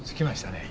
ねえ。